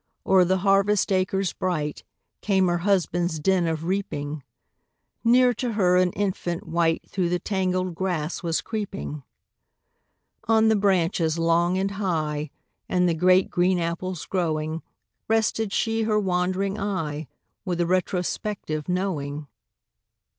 O'er the harvest acres bright, Came her husband's din of reaping; Near to her, an infant wight Through the tangled grass was creeping. On the branches long and high, And the great green apples growing, Rested she her wandering eye, With a retrospective knowing.